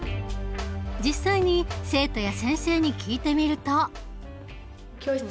実際に生徒や先生に聞いてみると。